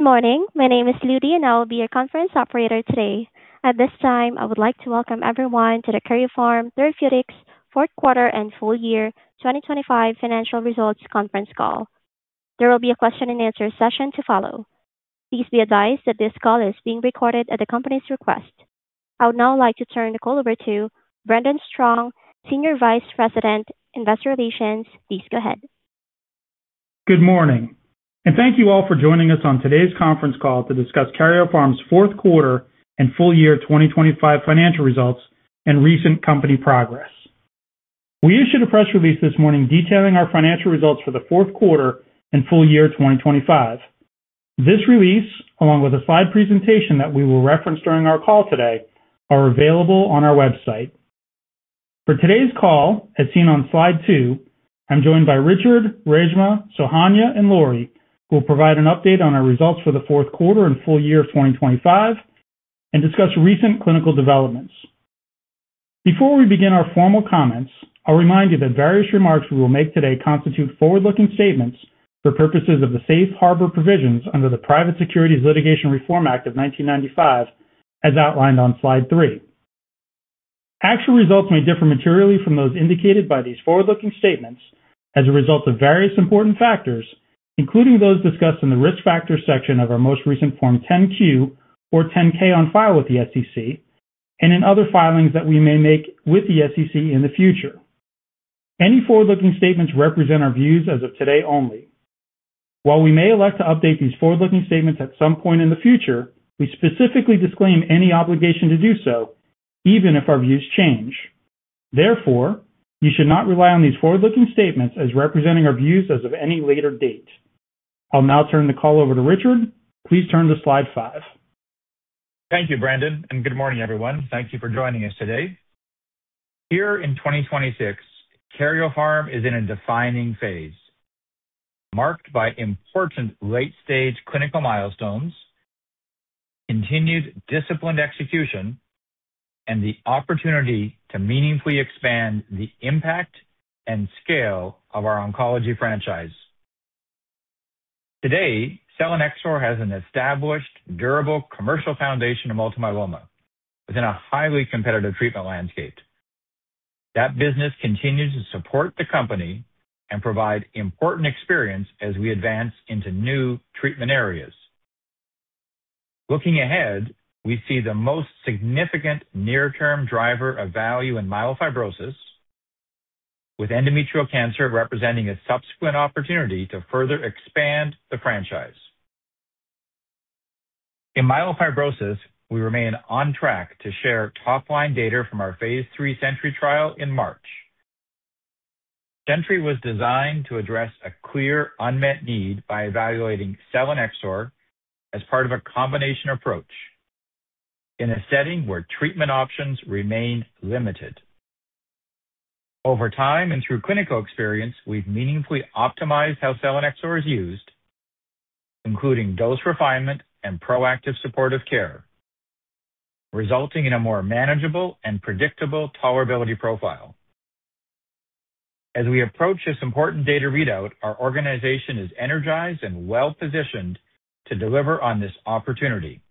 Good morning. My name is Ludy, and I will be your conference operator today. At this time, I would like to welcome everyone to the Karyopharm Therapeutics Q4 and full year 2025 financial results conference call. There will be a question and answer session to follow. Please be advised that this call is being recorded at the company's request. I would now like to turn the call over to Brendan Strong, Senior Vice President, Investor Relations. Please go ahead. Good morning, and thank you all for joining us on today's conference call to discuss Karyopharm's Q4 and full year 2025 financial results and recent company progress. We issued a press release this morning detailing our financial results for the Q4 and full year 2025. This release, along with a slide presentation that we will reference during our call today, are available on our website. For today's call, as seen on slide two, I'm joined by Richard, Reshma, Sohanya, and Lori, who will provide an update on our results for the Q4 and full year 2025 and discuss recent clinical developments. Before we begin our formal comments, a reminder that various remarks we will make today constitute forward-looking statements for purposes of the Safe Harbor Provisions under the Private Securities Litigation Reform Act of 1995, as outlined on slide three. Actual results may differ materially from those indicated by these forward-looking statements as a result of various important factors, including those discussed in the Risk Factors section of our most recent Form 10-Q or 10-K on file with the SEC and in other filings that we may make with the SEC in the future. Any forward-looking statements represent our views as of today only. While we may elect to update these forward-looking statements at some point in the future, we specifically disclaim any obligation to do so, even if our views change. Therefore, you should not rely on these forward-looking statements as representing our views as of any later date. I'll now turn the call over to Richard. Please turn to slide five. Thank you, Brendan, and good morning, everyone. Thank you for joining us today. Here in 2026, Karyopharm is in a defining phase marked by important late-stage clinical milestones, continued disciplined execution, and the opportunity to meaningfully expand the impact and scale of our oncology franchise. Today, Selinexor has an established, durable commercial foundation in multiple myeloma within a highly competitive treatment landscape. That business continues to support the company and provide important experience as we advance into new treatment areas. Looking ahead, we see the most significant near-term driver of value in myelofibrosis, with endometrial cancer representing a subsequent opportunity to further expand the franchise. In myelofibrosis, we remain on track to share top-line data from our phase three SENTRY trial in March. SENTRY was designed to address a clear unmet need by evaluating Selinexor as part of a combination approach in a setting where treatment options remain limited. Over time and through clinical experience, we've meaningfully optimized how selinexor is used, including dose refinement and proactive supportive care, resulting in a more manageable and predictable tolerability profile. As we approach this important data readout, our organization is energized and well-positioned to deliver on this opportunity.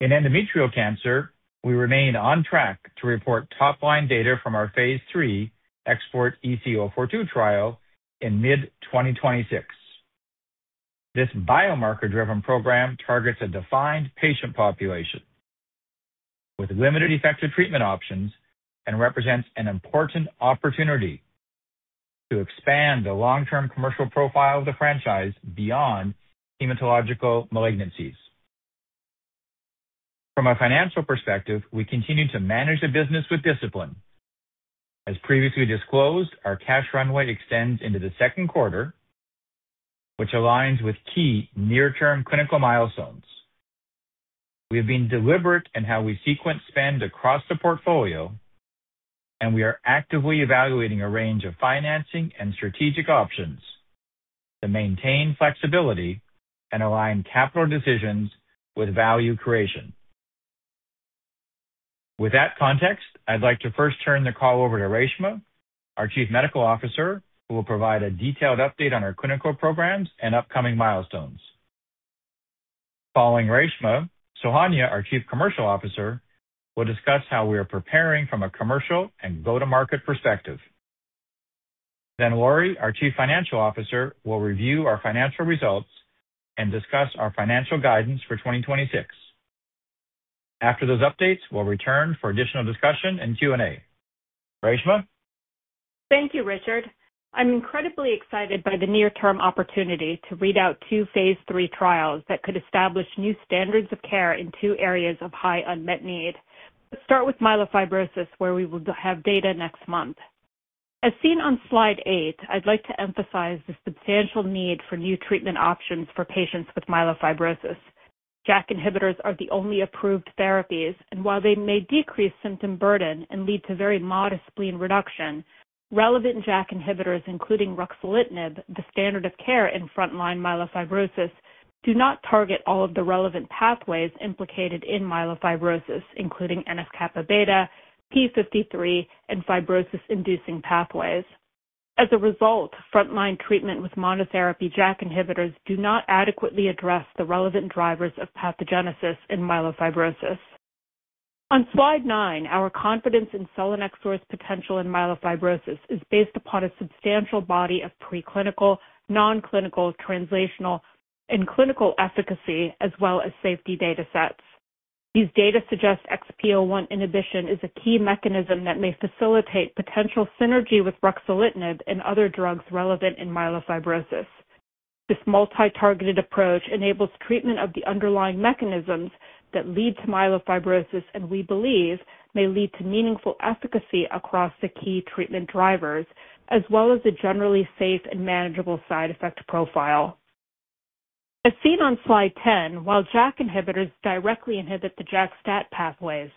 In endometrial cancer, we remain on track to report top-line data from our phase three XPORT-EC-042 trial in mid-2026. This biomarker-driven program targets a defined patient population with limited effective treatment options and represents an important opportunity to expand the long-term commercial profile of the franchise beyond hematological malignancies. From a financial perspective, we continue to manage the business with discipline. As previously disclosed, our cash runway extends into the Q2, which aligns with key near-term clinical milestones. We have been deliberate in how we sequence spend across the portfolio, and we are actively evaluating a range of financing and strategic options to maintain flexibility and align capital decisions with value creation. With that context, I'd like to first turn the call over to Reshma, our Chief Medical Officer, who will provide a detailed update on our clinical programs and upcoming milestones. Following Reshma, Sowjanya, our Chief Commercial Officer, will discuss how we are preparing from a commercial and go-to-market perspective. Then Lori, our Chief Financial Officer, will review our financial results and discuss our financial guidance for 2026. After those updates, we'll return for additional discussion and Q&A. Reshma? Thank you, Richard. I'm incredibly excited by the near-term opportunity to read out two phase three trials that could establish new standards of care in two areas of high unmet need. Let's start with myelofibrosis, where we will have data next month. As seen on slide eight, I'd like to emphasize the substantial need for new treatment options for patients with myelofibrosis. JAK inhibitors are the only approved therapies, and while they may decrease symptom burden and lead to very modest spleen reduction, relevant JAK inhibitors, including ruxolitinib, the standard of care in frontline myelofibrosis, do not target all of the relevant pathways implicated in myelofibrosis, including NF-κB, p53, and fibrosis-inducing pathways. As a result, frontline treatment with monotherapy JAK inhibitors do not adequately address the relevant drivers of pathogenesis in myelofibrosis. On slide nine, our confidence in selinexor's potential in myelofibrosis is based upon a substantial body of preclinical, non-clinical, translational, and clinical efficacy, as well as safety data sets. These data suggest XPO1 inhibition is a key mechanism that may facilitate potential synergy with ruxolitinib and other drugs relevant in myelofibrosis. This multi-targeted approach enables treatment of the underlying mechanisms that lead to myelofibrosis, and we believe may lead to meaningful efficacy across the key treatment drivers, as well as a generally safe and manageable side effect profile. As seen on slide 10, while JAK inhibitors directly inhibit the JAK-STAT pathways,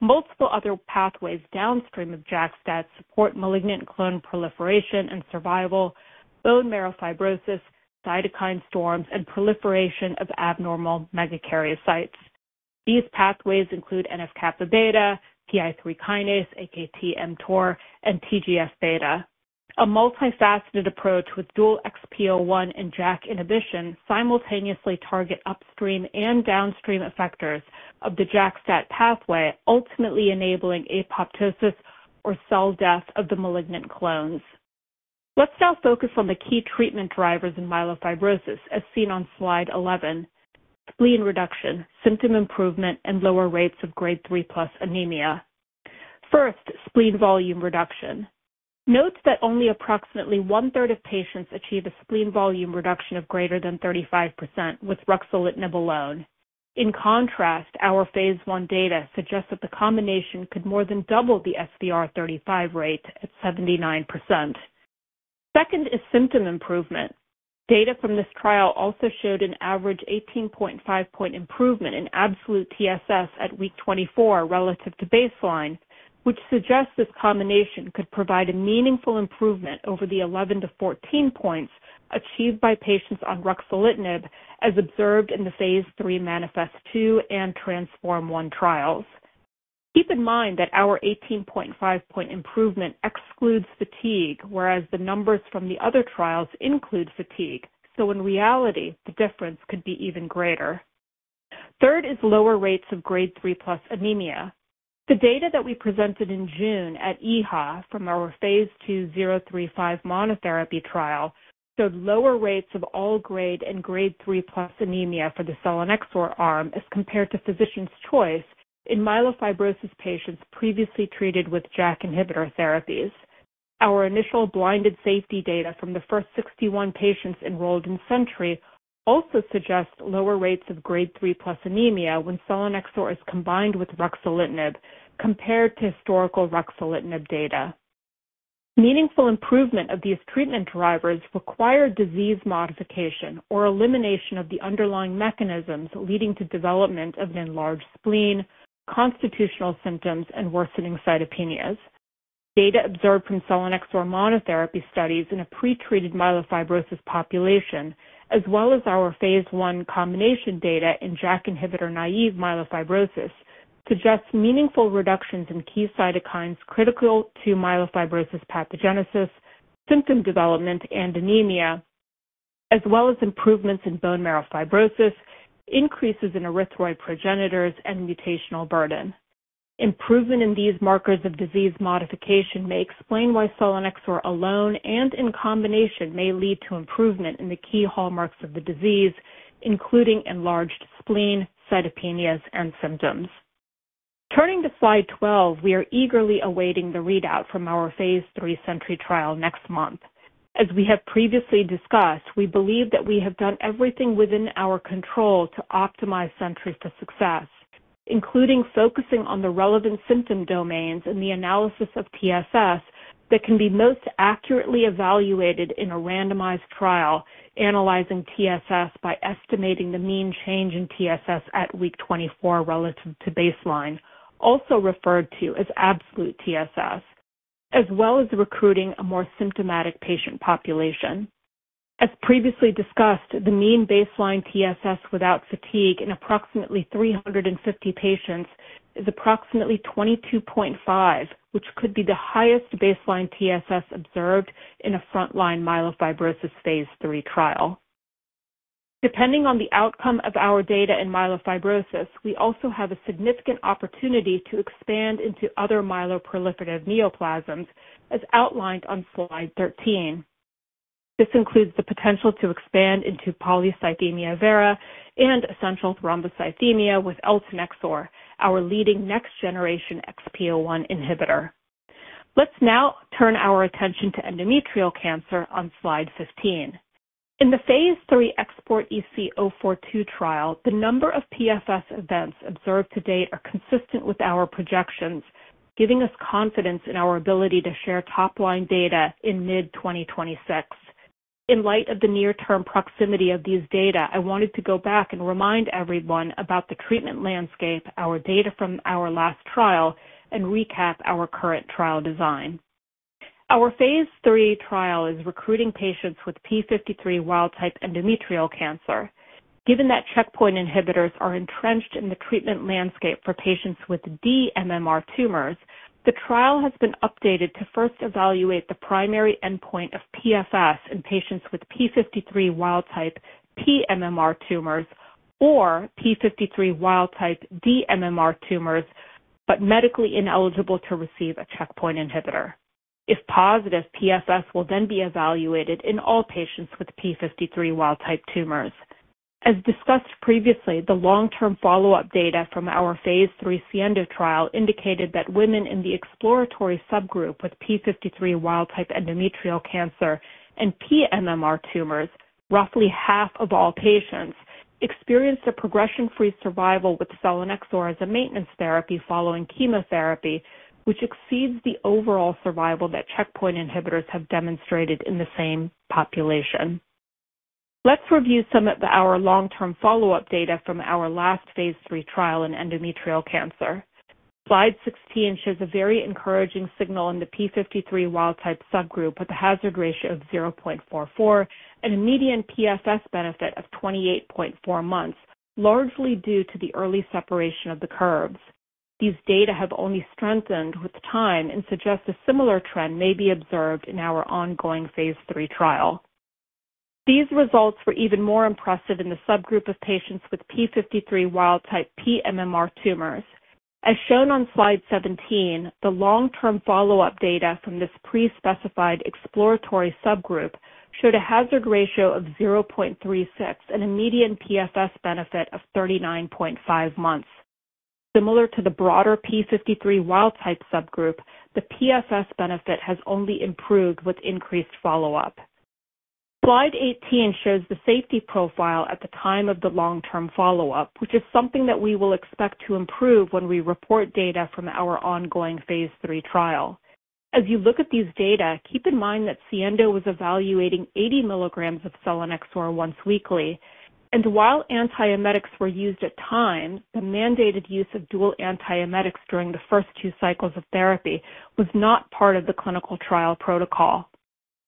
multiple other pathways downstream of JAK-STAT support malignant clone proliferation and survival, bone marrow fibrosis, cytokine storms, and proliferation of abnormal megakaryocytes. These pathways include NF-κB, PI3 kinase, AKT, mTOR, and TGF-beta. A multifaceted approach with dual XPO1 and JAK inhibition simultaneously target upstream and downstream effectors of the JAK-STAT pathway, ultimately enabling apoptosis or cell death of the malignant clones. Let's now focus on the key treatment drivers in myelofibrosis, as seen on slide 11: spleen reduction, symptom improvement, and lower rates of Grade three plus anemia. First, spleen volume reduction. Note that only approximately 1/3 of patients achieve a spleen volume reduction of greater than 35% with ruxolitinib alone. In contrast, our phase one data suggests that the combination could more than double the SVR35 rate at 79%. Second is symptom improvement. Data from this trial also showed an average 18.5-point improvement in absolute TSS at week 24 relative to baseline, which suggests this combination could provide a meaningful improvement over the 11-14 points achieved by patients on ruxolitinib, as observed in the phase MANIFEST-2 and TRANSFORM-1 trials. Keep in mind that our 18.5-point improvement excludes fatigue, whereas the numbers from the other trials include fatigue. So in reality, the difference could be even greater. Third is lower rates of grade 3+ anemia. The data that we presented in June at EHA from our phase two 035 monotherapy trial showed lower rates of all grade and grade 3+ anemia for the selinexor arm, as compared to physician's choice in myelofibrosis patients previously treated with JAK inhibitor therapies. Our initial blinded safety data from the first 61 patients enrolled in SENTRY also suggests lower rates of Grade 3+ anemia when selinexor is combined with ruxolitinib compared to historical ruxolitinib data. Meaningful improvement of these treatment drivers require disease modification or elimination of the underlying mechanisms leading to development of an enlarged spleen, constitutional symptoms, and worsening cytopenias. Data observed from selinexor monotherapy studies in a pretreated myelofibrosis population, as well as our phase one combination data in JAK inhibitor-naive myelofibrosis, suggests meaningful reductions in key cytokines critical to myelofibrosis pathogenesis, symptom development, and anemia, as well as improvements in bone marrow fibrosis, increases in erythroid progenitors, and mutational burden. Improvement in these markers of disease modification may explain why selinexor alone and in combination may lead to improvement in the key hallmarks of the disease, including enlarged spleen, cytopenias, and symptoms. Turning to slide 12, we are eagerly awaiting the readout from our phase three SENTRY trial next month. As we have previously discussed, we believe that we have done everything within our control to optimize SENTRY for success, including focusing on the relevant symptom domains and the analysis of TSS that can be most accurately evaluated in a randomized trial, analyzing TSS by estimating the mean change in TSS at week 24 relative to baseline, also referred to as absolute TSS, as well as recruiting a more symptomatic patient population. As previously discussed, the mean baseline TSS without fatigue in approximately 350 patients is approximately 22.5, which could be the highest baseline TSS observed in a frontline myelofibrosis phase three trial. Depending on the outcome of our data in myelofibrosis, we also have a significant opportunity to expand into other myeloproliferative neoplasms, as outlined on slide 13. This includes the potential to expand into polycythemia vera and essential thrombocythemia with eltanexor, our leading next-generation XPO1 inhibitor. Let's now turn our attention to endometrial cancer on slide 15. In the phase three EXPORT-EC042 trial, the number of PFS events observed to date are consistent with our projections, giving us confidence in our ability to share top-line data in mid-2026. In light of the near-term proximity of these data, I wanted to go back and remind everyone about the treatment landscape, our data from our last trial, and recap our current trial design. Our phase three trial is recruiting patients with P53 wild-type endometrial cancer. Given that checkpoint inhibitors are entrenched in the treatment landscape for patients with dMMR tumors, the trial has been updated to first evaluate the primary endpoint of PFS in patients with P53 wild-type pMMR tumors or P53 wild-type dMMR tumors, but medically ineligible to receive a checkpoint inhibitor. If positive, PFS will then be evaluated in all patients with P53 wild-type tumors. As discussed previously, the long-term follow-up data from our phase three SIENDO trial indicated that women in the exploratory subgroup with P53 wild-type endometrial cancer and pMMR tumors, roughly half of all patients, experienced a progression-free survival with selinexor as a maintenance therapy following chemotherapy, which exceeds the overall survival that checkpoint inhibitors have demonstrated in the same population. Let's review some of our long-term follow-up data from our last phase three trial in endometrial cancer. Slide 16 shows a very encouraging signal in the P53 wild-type subgroup, with a hazard ratio of 0.44 and a median PFS benefit of 28.4 months, largely due to the early separation of the curves. These data have only strengthened with time and suggest a similar trend may be observed in our ongoing phase three trial. These results were even more impressive in the subgroup of patients with P53 wild-type pMMR tumors. As shown on slide 17, the long-term follow-up data from this pre-specified exploratory subgroup showed a hazard ratio of 0.36 and a median PFS benefit of 39.5 months. Similar to the broader P53 wild-type subgroup, the PFS benefit has only improved with increased follow-up. Slide 18 shows the safety profile at the time of the long-term follow-up, which is something that we will expect to improve when we report data from our ongoing phase three trial. As you look at these data, keep in mind that SIENDO was evaluating 80 mg of selinexor once weekly, and while antiemetics were used at times, the mandated use of dual antiemetics during the first two cycles of therapy was not part of the clinical trial protocol.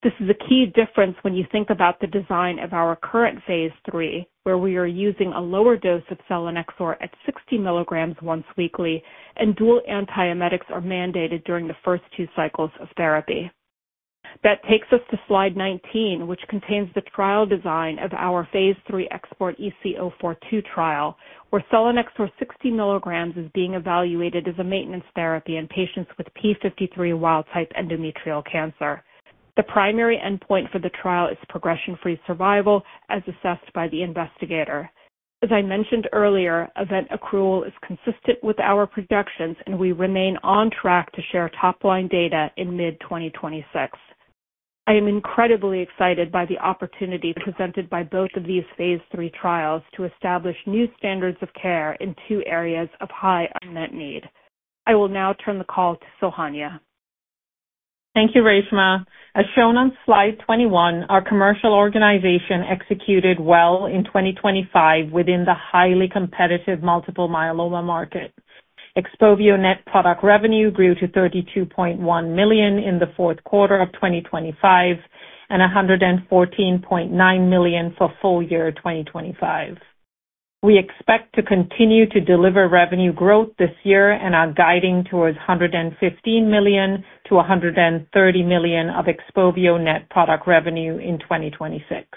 This is a key difference when you think about the design of our current phase three, where we are using a lower dose of selinexor at 60 mg once weekly, and dual antiemetics are mandated during the first two cycles of therapy. That takes us to slide 19, which contains the trial design of our phase three EXPORT EC042 trial, where selinexor 60 mg is being evaluated as a maintenance therapy in patients with P53 wild-type endometrial cancer. The primary endpoint for the trial is progression-free survival, as assessed by the investigator. As I mentioned earlier, event accrual is consistent with our projections, and we remain on track to share top-line data in mid-2026. I am incredibly excited by the opportunity presented by both of these phase three trials to establish new standards of care in two areas of high unmet need. I will now turn the call to Sohanya. Thank you, Reshma. As shown on slide 21, our commercial organization executed well in 2025 within the highly competitive multiple myeloma market. Xpovio net product revenue grew to $32.1 million in the Q4 of 2025 and $114.9 million for full year 2025. We expect to continue to deliver revenue growth this year and are guiding towards $115 to 130 million of Xpovio net product revenue in 2026.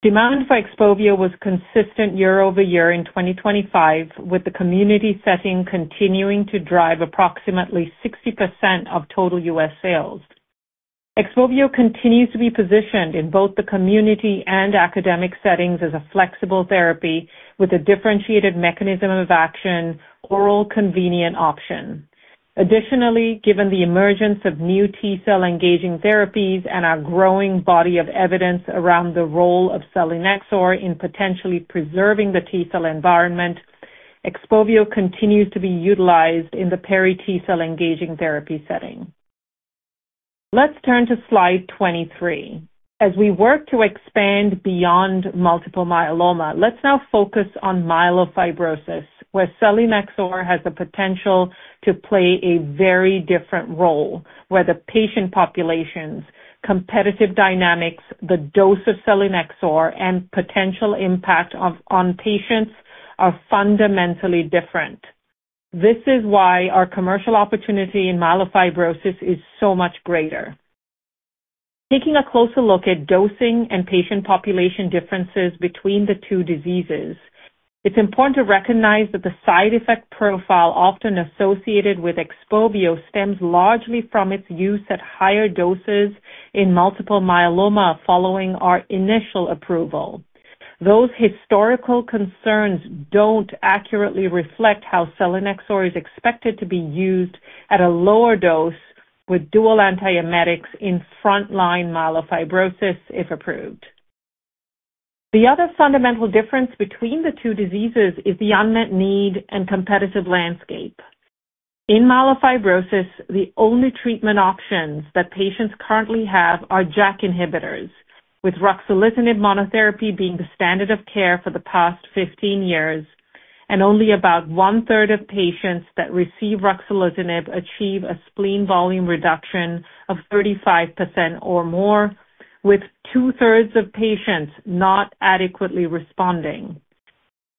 Demand for Xpovio was consistent year-over-year in 2025, with the community setting continuing to drive approximately 60% of total U.S. sales. Xpovio continues to be positioned in both the community and academic settings as a flexible therapy with a differentiated mechanism of action, oral convenient option. Additionally, given the emergence of new T-cell engaging therapies and our growing body of evidence around the role of selinexor in potentially preserving the T-cell environment, Xpovio continues to be utilized in the peri-T-cell engaging therapy setting. Let's turn to slide 23. As we work to expand beyond multiple myeloma, let's now focus on myelofibrosis, where selinexor has the potential to play a very different role, where the patient populations, competitive dynamics, the dose of selinexor, and potential impact on patients are fundamentally different. This is why our commercial opportunity in myelofibrosis is so much greater. Taking a closer look at dosing and patient population differences between the two diseases, it's important to recognize that the side effect profile often associated with Xpovio stems largely from its use at higher doses in multiple myeloma following our initial approval. Those historical concerns don't accurately reflect how selinexor is expected to be used at a lower dose with dual antiemetics in frontline myelofibrosis, if approved. The other fundamental difference between the two diseases is the unmet need and competitive landscape. In myelofibrosis, the only treatment options that patients currently have are JAK inhibitors, with ruxolitinib monotherapy being the standard of care for the past 15 years. And only about 1/3 of patients that receive ruxolitinib achieve a spleen volume reduction of 35% or more, with 2/3 of patients not adequately responding.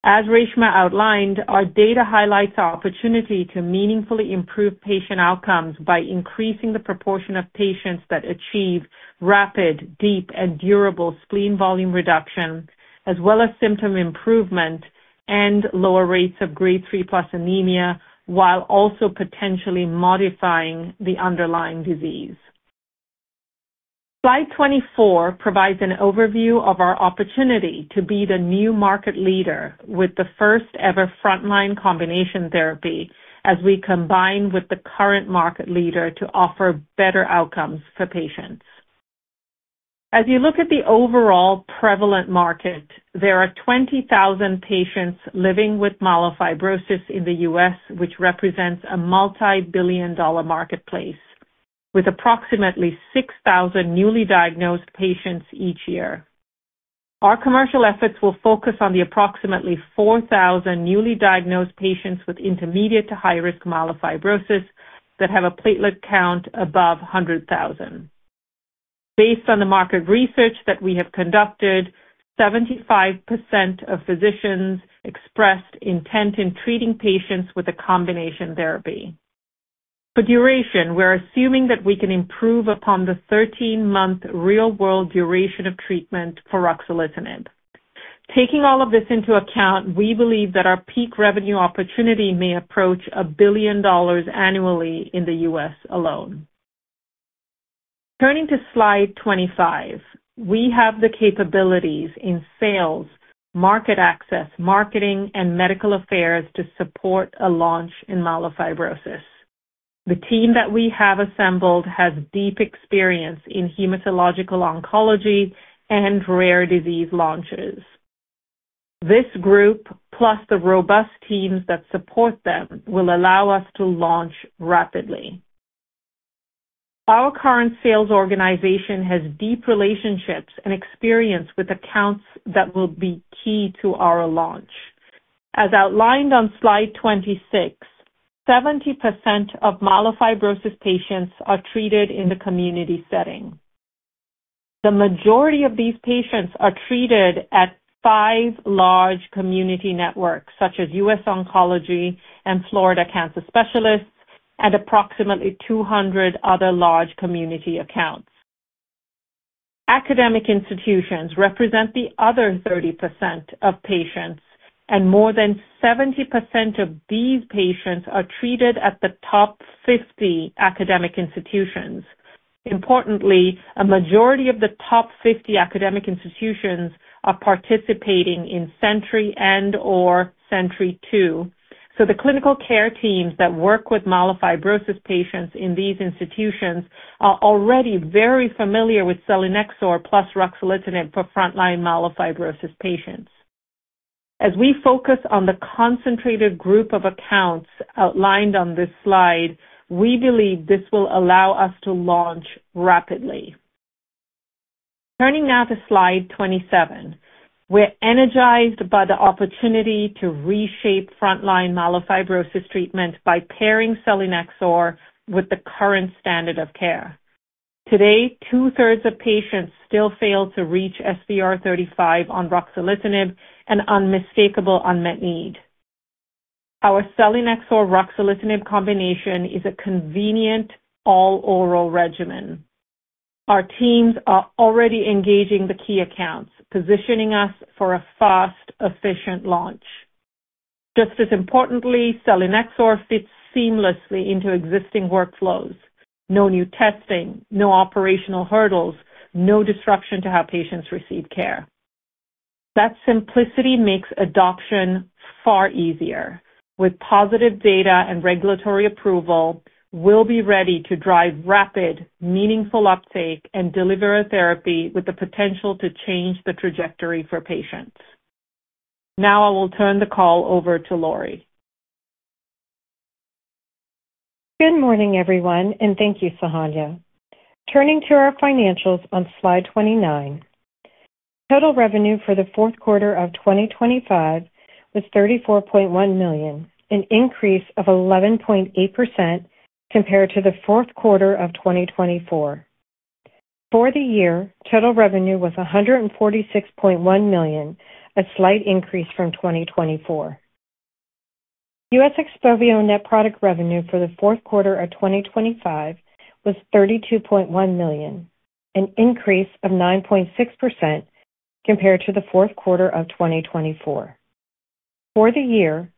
As Reshma outlined, our data highlights the opportunity to meaningfully improve patient outcomes by increasing the proportion of patients that achieve rapid, deep, and durable spleen volume reduction, as well as symptom improvement and lower rates of Grade 3+ anemia, while also potentially modifying the underlying disease. Slide 24 provides an overview of our opportunity to be the new market leader with the first-ever frontline combination therapy, as we combine with the current market leader to offer better outcomes for patients. As you look at the overall prevalent market, there are 20,000 patients living with myelofibrosis in the U.S., which represents a multibillion-dollar marketplace, with approximately 6,000 newly diagnosed patients each year. Our commercial efforts will focus on the approximately 4,000 newly diagnosed patients with intermediate to high-risk myelofibrosis that have a platelet count above 100,000. Based on the market research that we have conducted, 75% of physicians expressed intent in treating patients with a combination therapy. For duration, we're assuming that we can improve upon the 13-month real-world duration of treatment for ruxolitinib. Taking all of this into account, we believe that our peak revenue opportunity may approach $1 billion annually in the US alone. Turning to slide 25. We have the capabilities in sales, market access, marketing, and medical affairs to support a launch in myelofibrosis. The team that we have assembled has deep experience in hematological oncology and rare disease launches. This group, plus the robust teams that support them, will allow us to launch rapidly. Our current sales organization has deep relationships and experience with accounts that will be key to our launch. As outlined on slide 26, 70% of myelofibrosis patients are treated in the community setting. The majority of these patients are treated at five large community networks, such as US Oncology and Florida Cancer Specialists, and approximately 200 other large community accounts. Academic institutions represent the other 30% of patients, and more than 70% of these patients are treated at the top 50 academic institutions. Importantly, a majority of the top 50 academic institutions are participating in SENTRY and/or SENTRY-2. So the clinical care teams that work with myelofibrosis patients in these institutions are already very familiar with selinexor plus ruxolitinib for frontline myelofibrosis patients. As we focus on the concentrated group of accounts outlined on this slide, we believe this will allow us to launch rapidly. Turning now to slide 27. We're energized by the opportunity to reshape frontline myelofibrosis treatment by pairing selinexor with the current standard of care. Today, two-thirds of patients still fail to reach SVR 35 on ruxolitinib, an unmistakable unmet need. Our selinexor/ruxolitinib combination is a convenient all-oral regimen. Our teams are already engaging the key accounts, positioning us for a fast, efficient launch. Just as importantly, selinexor fits seamlessly into existing workflows. No new testing, no operational hurdles, no disruption to how patients receive care. That simplicity makes adoption far easier. With positive data and regulatory approval, we'll be ready to drive rapid, meaningful uptake and deliver a therapy with the potential to change the trajectory for patients. Now I will turn the call over to Lori. Good morning, everyone, and thank you, Sohanya. Turning to our financials on slide 29. Total revenue for the Q4 of 2025 was $34.1 million, an increase of 11.8% compared to the Q4 of 2024. For the year, total revenue was $146.1 million, a slight increase from 2024. U.S. XPOVIO net product revenue for the Q4 of 2025 was $32.1 million, an increase of 9.6% compared to the Q4 of 2024. For the year,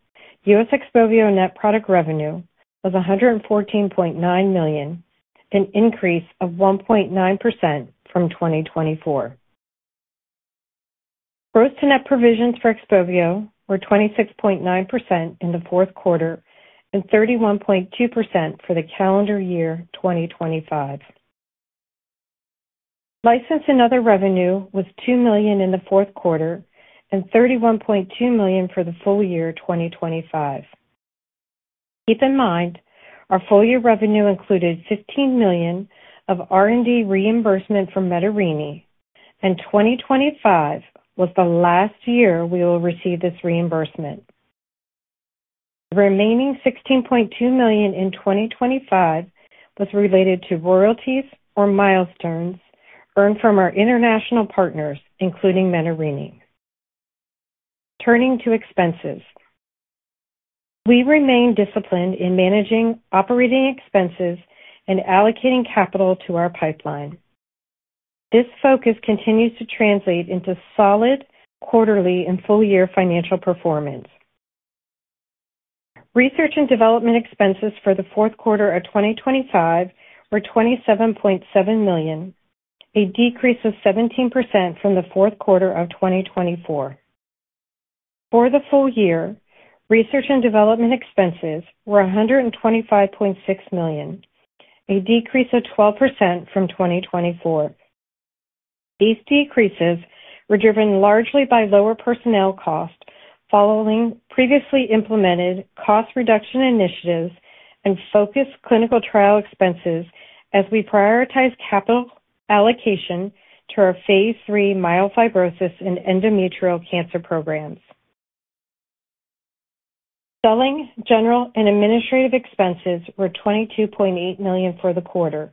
U.S. XPOVIO net product revenue was $114.9 million, an increase of 1.9% from 2024. Gross to net provisions for XPOVIO were 26.9% in the Q4 and 31.2% for the calendar year 2025. License and other revenue was $2 million in the Q4 and $31.2 million for the full year 2025. Keep in mind, our full year revenue included $15 million of R&D reimbursement from Menarini, and 2025 was the last year we will receive this reimbursement. The remaining $16.2 million in 2025 was related to royalties or milestones earned from our international partners, including Menarini. Turning to expenses. We remain disciplined in managing operating expenses and allocating capital to our pipeline. This focus continues to translate into solid quarterly and full year financial performance. Research and development expenses for the Q4 of 2025 were $27.7 million, a decrease of 17% from the Q4 of 2024. For the full year, research and development expenses were $125.6 million, a decrease of 12% from 2024. These decreases were driven largely by lower personnel costs following previously implemented cost reduction initiatives and focused clinical trial expenses as we prioritize capital allocation to our phase three myelofibrosis and endometrial cancer programs. Selling, general, and administrative expenses were $22.8 million for the quarter,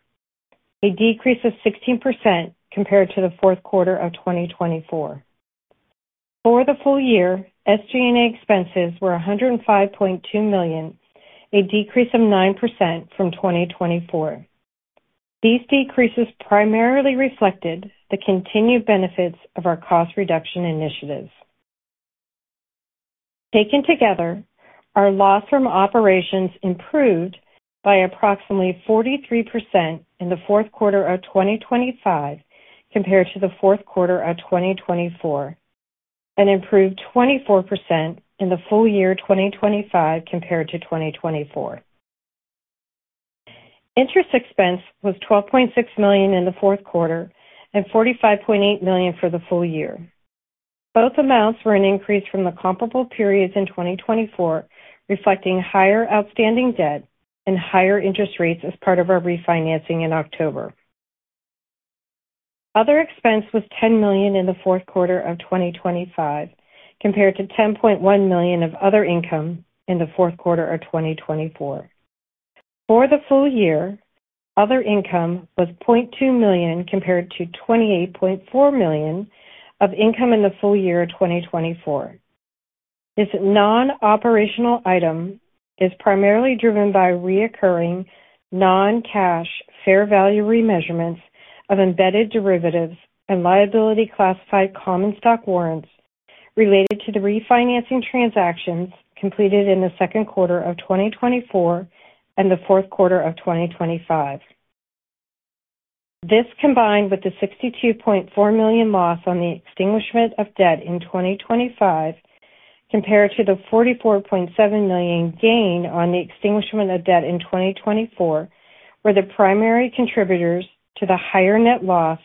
a decrease of 16% compared to the Q4 of 2024. For the full year, SG&A expenses were $105.2 million, a decrease of 9% from 2024. These decreases primarily reflected the continued benefits of our cost reduction initiatives. Taken together, our loss from operations improved by approximately 43% in the Q4 of 2025 compared to the Q4 of 2024, and improved 24% in the full year 2025 compared to 2024. Interest expense was $12.6 million in the Q4 and $45.8 million for the full year. Both amounts were an increase from the comparable periods in 2024, reflecting higher outstanding debt and higher interest rates as part of our refinancing in October. Other expense was $10 million in the Q4 of 2025, compared to $10.1 million of other income in the Q4 of 2024. For the full year, other income was $0.2 million, compared to $28.4 million of income in the full year of 2024. This non-operational item is primarily driven by recurring non-cash fair value remeasurements of embedded derivatives and liability-classified common stock warrants related to the refinancing transactions completed in the Q2 of 2024 and the Q4 of 2025. This, combined with the $62.4 million loss on the extinguishment of debt in 2025, compared to the $44.7 million gain on the extinguishment of debt in 2024, were the primary contributors to the higher net loss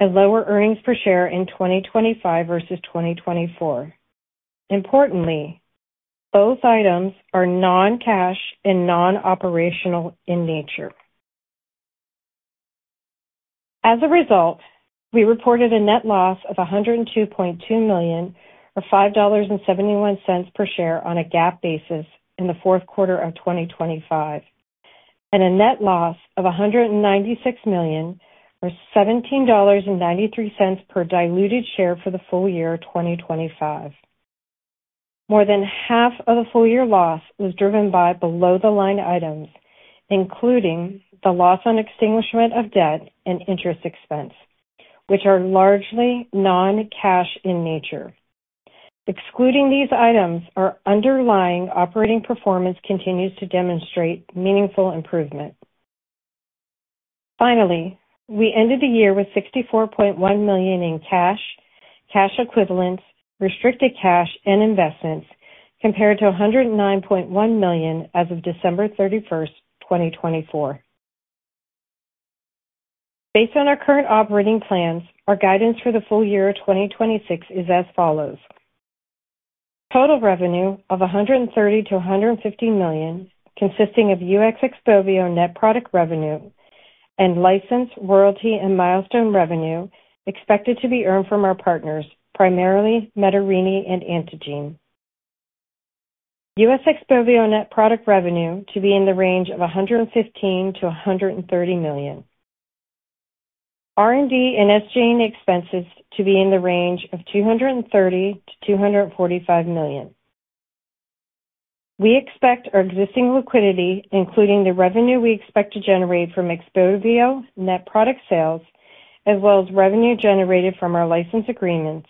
and lower earnings per share in 2025 versus 2024. Importantly, both items are non-cash and non-operational in nature. As a result, we reported a net loss of $102.2 million, or $5.71 per share on a GAAP basis in the Q4 of 2025, and a net loss of $196 million, or $17.93 per diluted share for the full year of 2025. More than half of the full year loss was driven by below-the-line items, including the loss on extinguishment of debt and interest expense, which are largely non-cash in nature. Excluding these items, our underlying operating performance continues to demonstrate meaningful improvement. Finally, we ended the year with $64.1 million in cash, cash equivalents, restricted cash, and investments, compared to $109.1 million as of 31 December 2024. Based on our current operating plans, our guidance for the full year of 2026 is as follows: Total revenue of $130 to 150 million, consisting of XPOVIO net product revenue and license, royalty, and milestone revenue expected to be earned from our partners, primarily Menarini and Antengene. XPOVIO net product revenue to be in the range of $115 to 130 million. R&D and SG&A expenses to be in the range of $230 to 245 million. We expect our existing liquidity, including the revenue we expect to generate from XPOVIO net product sales, as well as revenue generated from our license agreements,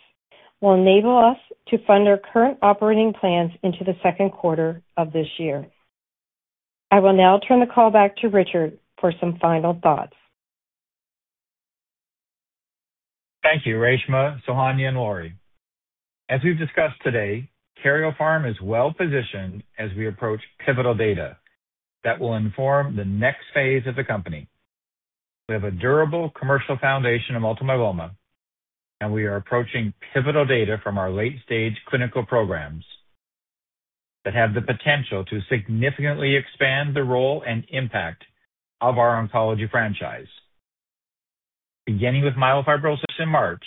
will enable us to fund our current operating plans into the Q2 of this year. I will now turn the call back to Richard for some final thoughts. Thank you, Reshma, Sohanya, and Lori. As we've discussed today, Karyopharm is well-positioned as we approach pivotal data that will inform the next phase of the company. We have a durable commercial foundation in multiple myeloma, and we are approaching pivotal data from our late-stage clinical programs that have the potential to significantly expand the role and impact of our oncology franchise, beginning with myelofibrosis in March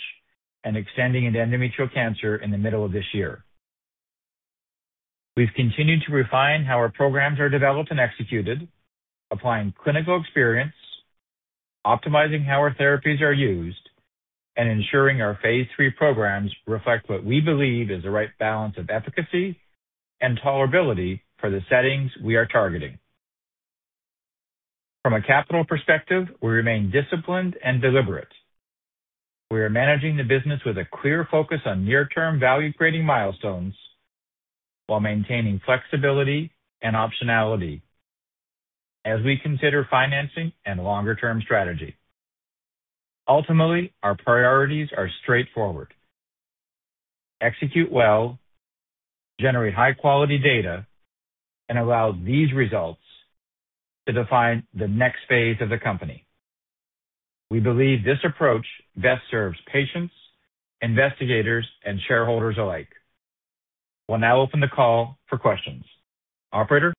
and extending into endometrial cancer in the middle of this year. We've continued to refine how our programs are developed and executed, applying clinical experience, optimizing how our therapies are used, and ensuring our phase three programs reflect what we believe is the right balance of efficacy and tolerability for the settings we are targeting. From a capital perspective, we remain disciplined and deliberate. We are managing the business with a clear focus on near-term value-creating milestones while maintaining flexibility and optionality as we consider financing and longer-term strategy. Ultimately, our priorities are straightforward: execute well, generate high-quality data, and allow these results to define the next phase of the company. We believe this approach best serves patients, investigators, and shareholders alike. We'll now open the call for questions. Operator?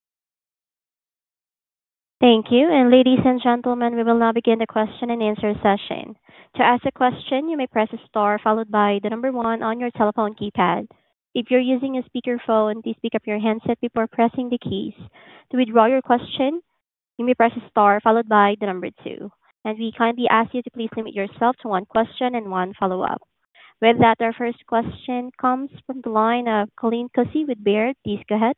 Thank you. And ladies and gentlemen, we will now begin the question-and-answer session. To ask a question, you may press star followed by one on your telephone keypad. If you're using a speakerphone, please pick up your handset before pressing the keys. To withdraw your question, you may press star followed by two, and we kindly ask you to please limit yourself to one question and 1 follow-up. With that, our first question comes from the line of Colleen Kusy with Baird. Please go ahead.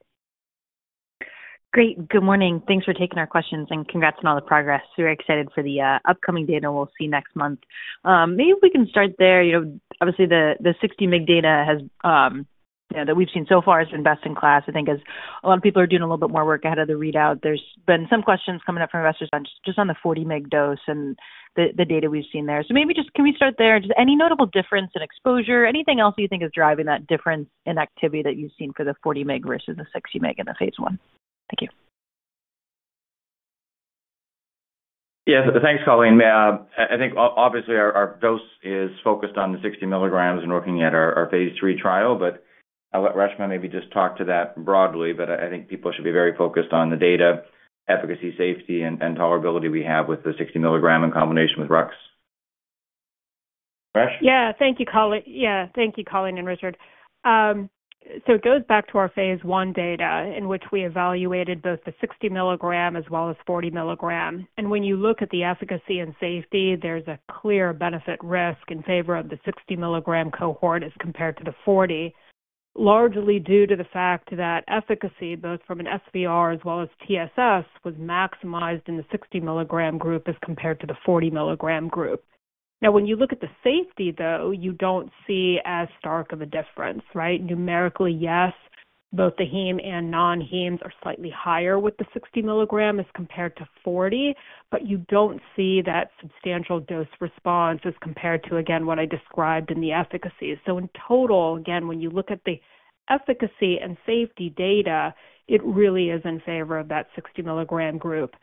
Great. Good morning. Thanks for taking our questions, and congrats on all the progress. We're excited for the upcoming data we'll see next month. Maybe if we can start there, you know, obviously, the 60 mg data has, you know, that we've seen so far has been best-in-class. I think as a lot of people are doing a little bit more work ahead of the readout, there's been some questions coming up from investors on just on the 40 mg dose and the data we've seen there. So maybe just can we start there? Just any notable difference in exposure, anything else you think is driving that difference in activity that you've seen for the 40 mg versus the 60 mg in the phase one? Thank you. Yes. Thanks, Colleen. I think obviously our dose is focused on the 60 mg and looking at our phase three trial, but I'll let Reshma maybe just talk to that broadly. But I think people should be very focused on the data, efficacy, safety, and tolerability we have with the 60 mg in combination with Rux. Reshma? Yeah. Thank you, Colleen. Yeah, thank you, Colleen and Richard. So it goes back to our phase one data, in which we evaluated both the 60 mg as well as 40 mg. And when you look at the efficacy and safety, there's a clear benefit-risk in favor of the 60 mg cohort as compared to the 40, largely due to the fact that efficacy, both from an SVR as well as TSS, was maximized in the 60 mg group as compared to the 40mg group. Now, when you look at the safety, though, you don't see as stark of a difference, right? Numerically, yes, both the heme and non-hemes are slightly higher with the 60 mg as compared to 40 mg, but you don't see that substantial dose response as compared to, again, what I described in the efficacy. In total, again, when you look at the efficacy and safety data, it really is in favor of that 60mg group.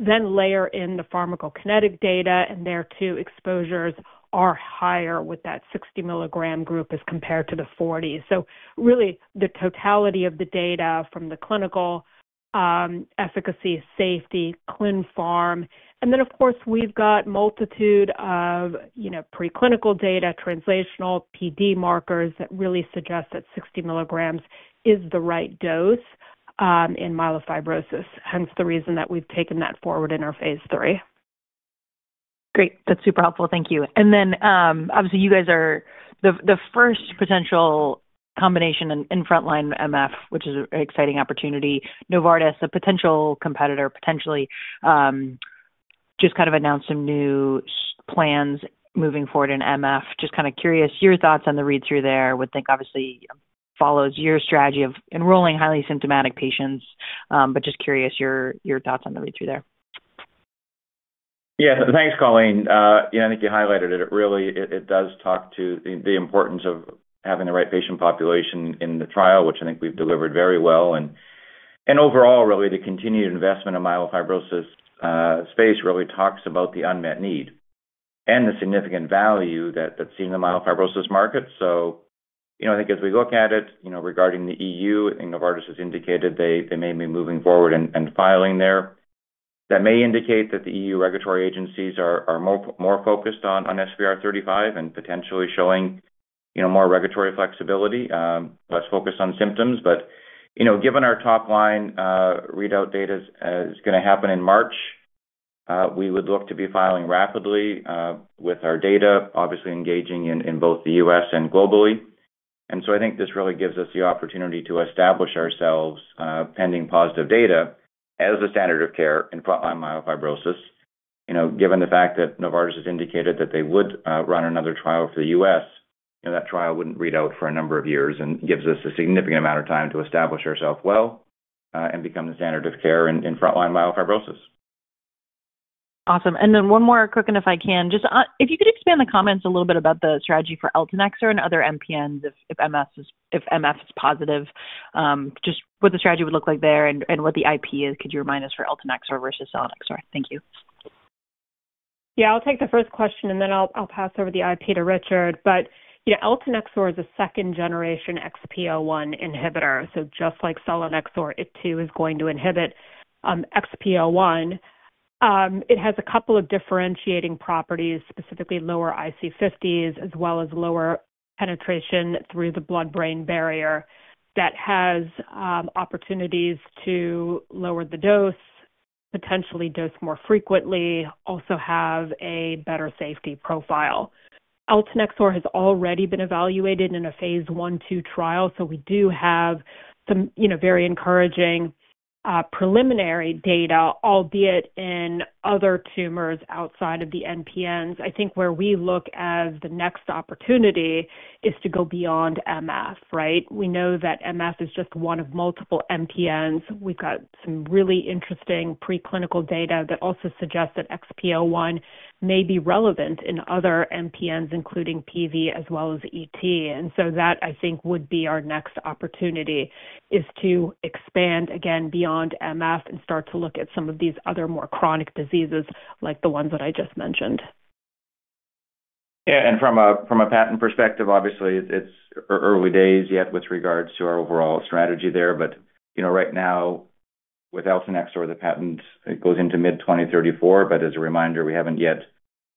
Layer in the pharmacokinetic data, and there, too, exposures are higher with that 60 mg group as compared to the 40 mg. Really, the totality of the data from the clinical, efficacy, safety, clin pharm. And then, of course, we've got multitude of, you know, preclinical data, translational PD markers that really suggest that 60 mg, is the right dose in myelofibrosis, hence the reason that we've taken that forward in our phase three. Great. That's super helpful. Thank you. And then, obviously, you guys are the first potential combination in frontline MF, which is an exciting opportunity. Novartis, a potential competitor, potentially, just kind of announced some new plans moving forward in MF. Just kind of curious, your thoughts on the read-through there. Would think, obviously, follows your strategy of enrolling highly symptomatic patients, but just curious your thoughts on the read-through there. Yeah. Thanks, Colleen. Yeah, I think you highlighted it really, it, it does talk to the, the importance of having the right patient population in the trial, which I think we've delivered very well. Overall, really, the continued investment in myelofibrosis space really talks about the unmet need and the significant value that, that's in the myelofibrosis market. You know, I think as we look at it, you know, regarding the EU, I think Novartis has indicated they, they may be moving forward and, and filing there. That may indicate that the EU regulatory agencies are, are more, more focused on, on SVR35 and potentially showing, you know, more regulatory flexibility, less focused on symptoms. You know, given our top-line readout data is gonna happen in March, we would look to be filing rapidly with our data, obviously engaging in both the U.S. and globally. And so I think this really gives us the opportunity to establish ourselves, pending positive data as the standard of care in frontline myelofibrosis. You know, given the fact that Novartis has indicated that they would run another trial for the U.S., you know, that trial wouldn't read out for a number of years and gives us a significant amount of time to establish ourself well and become the standard of care in frontline myelofibrosis. Awesome. And then one more quick one, if I can. Just, if you could expand the comments a little bit about the strategy for eltanexor and other MPNs, if MF is positive, just what the strategy would look like there and what the IP is, could you remind us, for eltanexor versus selinexor? Thank you. I'll take the first question, and then I'll pass over the IP to Richard. But, you know, eltanexor is a second-generation XPO1 inhibitor, so just like selinexor, it too is going to inhibit XPO1. It has a couple of differentiating properties, specifically lower IC50s, as well as lower penetration through the blood-brain barrier, that has opportunities to lower the dose, potentially dose more frequently, also have a better safety profile. Eltanexor has already been evaluated in a phase I/II trial, so we do have some, you know, very encouraging preliminary data, albeit in other tumors outside of the MPNs. I think where we look as the next opportunity is to go beyond MF, right? We know that MF is just one of multiple MPNs. We've got some really interesting preclinical data that also suggests that XPO1 may be relevant in other MPNs, including PV as well as ET. And so that, I think, would be our next opportunity, is to expand again beyond MF and start to look at some of these other more chronic diseases, like the ones that I just mentioned. Yeah, and from a patent perspective, obviously it's early days yet with regards to our overall strategy there. You know, right now with eltanexor, the patent, it goes into mid-2034, but as a reminder, we haven't yet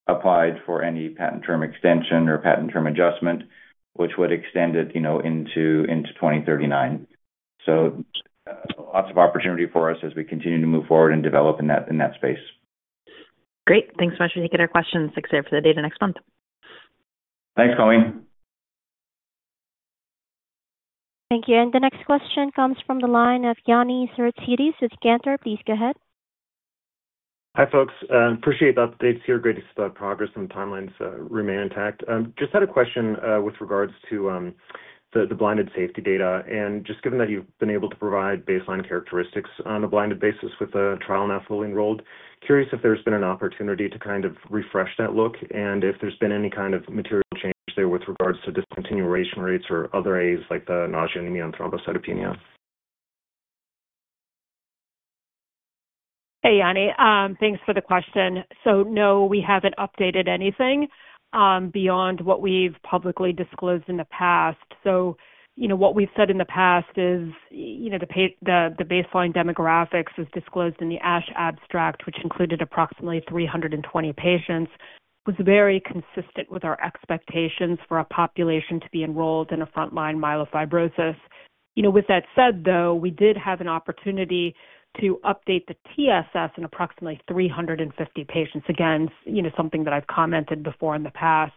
applied for any patent term extension or patent term adjustment, which would extend it, you know, into 2039. Lots of opportunity for us as we continue to move forward and develop in that space. Great. Thanks so much for taking our questions. Excited for the data next month. Thanks, Colleen. Thank you. And the next question comes from the line of Yanni Souroutzidis with Cantor. Please go ahead. Hi, folks. Appreciate the updates here. Great to see the progress and timelines remain intact. Just had a question with regards to the blinded safety data, and just given that you've been able to provide baseline characteristics on a blinded basis with the trial now fully enrolled. Curious if there's been an opportunity to kind of refresh that look, and if there's been any kind of material change there with regards to discontinuation rates or other AEs like the nausea, anemia, and thrombocytopenia? Hey, Yanni. Thanks for the question. So no, we haven't updated anything beyond what we've publicly disclosed in the past. You know, what we've said in the past is, you know, the baseline demographics as disclosed in the ASH abstract, which included approximately 320 patients, was very consistent with our expectations for a population to be enrolled in a frontline myelofibrosis. You know, with that said, though, we did have an opportunity to update the TSS in approximately 350 patients. Again, you know, something that I've commented before in the past,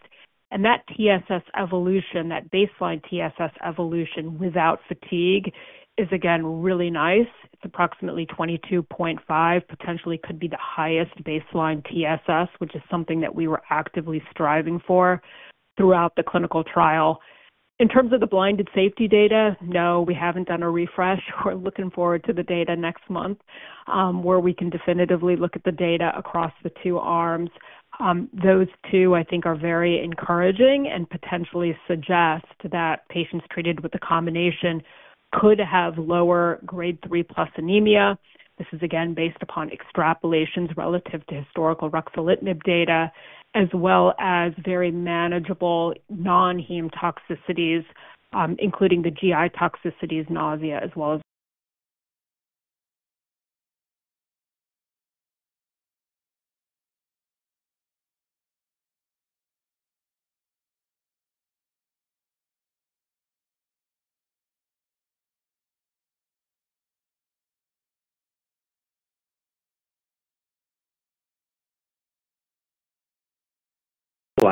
and that TSS evolution, that baseline TSS evolution without fatigue, is again, really nice. It's approximately 22.5, potentially could be the highest baseline TSS, which is something that we were actively striving for throughout the clinical trial. In terms of the blinded safety data, no, we haven't done a refresh. We're looking forward to the data next month, where we can definitively look at the data across the two arms. Those two, I think, are very encouraging and potentially suggest that patients treated with the combination could have lower grade 3+ anemia. This is, again, based upon extrapolations relative to historical ruxolitinib data, as well as very manageable non-hem toxicities, including the GI toxicities, nausea, as well as...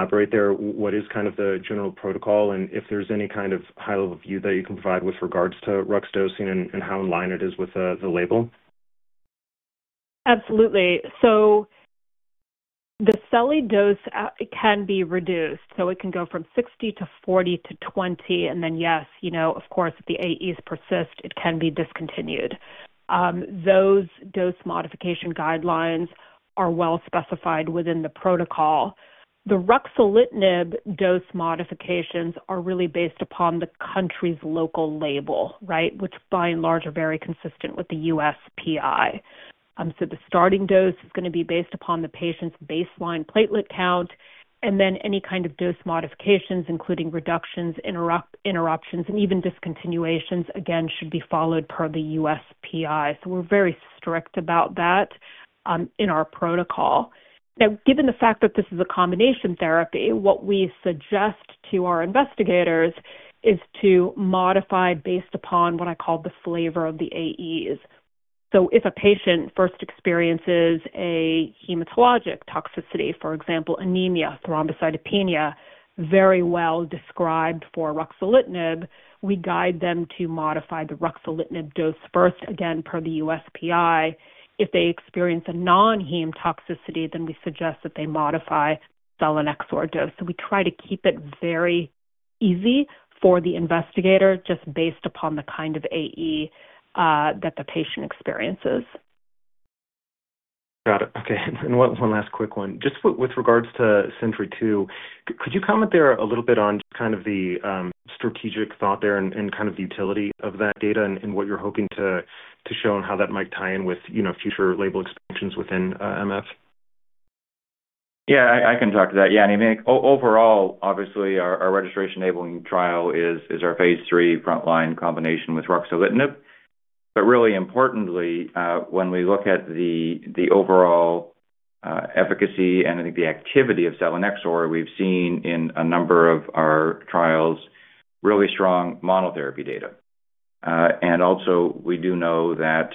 Elaborate there, what is kind of the general protocol, and if there's any kind of high-level view that you can provide with regards to rux dosing and, and how in line it is with the, the label? Absolutely. The selinexor dose, it can be reduced, so it can go from 60 mg to 40 mg to 20 mg, and then yes, you know, of course, if the AEs persist, it can be discontinued. Those dose modification guidelines are well specified within the protocol. The ruxolitinib dose modifications are really based upon the country's local label, right? Which by and large, are very consistent with the USPI. The starting dose is going to be based upon the patient's baseline platelet count, and then any kind of dose modifications, including reductions, interruptions, and even discontinuations, again, should be followed per the USPI so we're very strict about that, in our protocol. Now, given the fact that this is a combination therapy, what we suggest to our investigators is to modify based upon what I call the flavor of the AEs. If a patient first experiences a hematologic toxicity, for example, anemia, thrombocytopenia, very well described for ruxolitinib, we guide them to modify the ruxolitinib dose first, again, per the USPI. If they experience a non-hem toxicity, then we suggest that they modify selinexor dose so we try to keep it very easy for the investigator, just based upon the kind of AE that the patient experiences. Got it. Okay, and one, one last quick one. Just with, with regards to Sentry II. Could you comment there a little bit on kind of the, strategic thought there and, and kind of the utility of that data and, and what you're hoping to, to show and how that might tie in with, you know, future label expansions within, MF? Yeah, I can talk to that. Yeah, I mean, overall, obviously, our registration enabling trial is our phase three frontline combination with ruxolitinib. But really importantly, when we look at the overall efficacy and I think the activity of selinexor, we've seen in a number of our trials, really strong monotherapy data. And also we do know that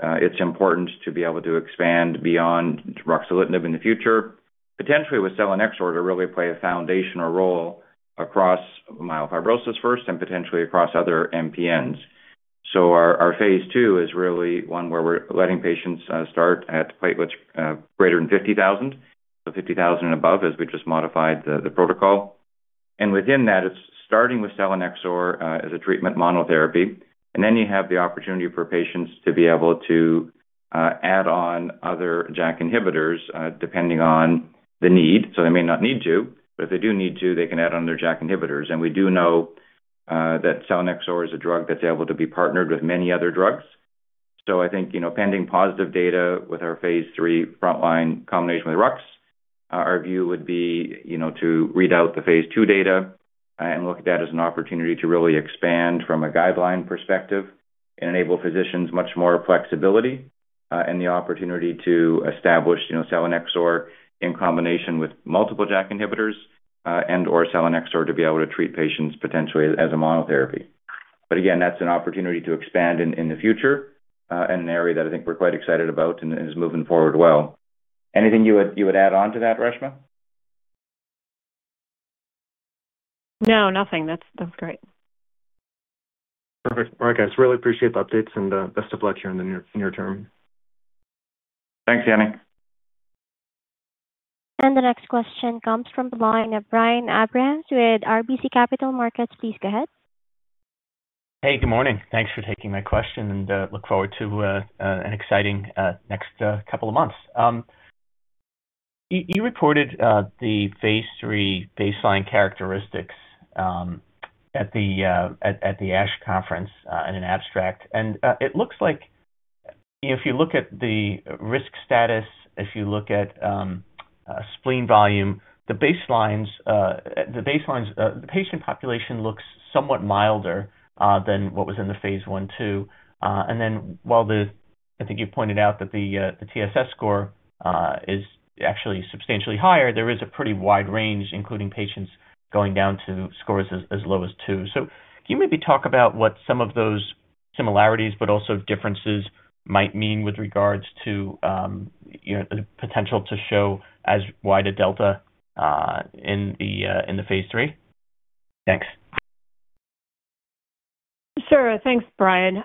it's important to be able to expand beyond ruxolitinib in the future, potentially with selinexor, to really play a foundational role across myelofibrosis first, and potentially across other MPNs. So our phase two is really one where we're letting patients start at platelets greater than 50,000. So 50,000 and above, as we just modified the protocol. Within that, it's starting with selinexor, as a treatment monotherapy, and then you have the opportunity for patients to be able to, add on other JAK inhibitors, depending on the need. So they may not need to, but if they do need to, they can add on their JAK inhibitors and we do know, that selinexor is a drug that's able to be partnered with many other drugs. So I think, you know, pending positive data with our phase three frontline combination with RUX, our view would be, you know, to read out the phase two data and look at that as an opportunity to really expand from a guideline perspective. Enable physicians much more flexibility, and the opportunity to establish, you know, selinexor in combination with multiple JAK inhibitors, and/or selinexor to be able to treat patients potentially as a monotherapy. But again, that's an opportunity to expand in the future, and an area that I think we're quite excited about and is moving forward well. Anything you would add on to that, Reshma? No, nothing. That's, that's great. Perfect. All right, guys, really appreciate the updates and best of luck here in the near, near term. Thanks, Yanni. The next question comes from the line of Brian Abrahams with RBC Capital Markets. Please go ahead. Hey, good morning. Thanks for taking my question, and look forward to an exciting next couple of months. You reported the phase three baseline characteristics at the ASH conference in an abstract. It looks like if you look at the risk status, if you look at spleen volume, the baselines, the baselines, the patient population looks somewhat milder than what was in the phase one, two. Then while the... I think you pointed out that the TSS score is actually substantially higher, there is a pretty wide range, including patients going down to scores as low as two. Can you maybe talk about what some of those similarities, but also differences might mean with regards to you know the potential to show as wide a delta in the phase three? Thanks. Sure. Thanks, Brian.